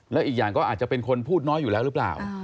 แล้วอีกอย่างก็อาจจะเป็นคนพูดน้อยอยู่แล้วหรือเปล่า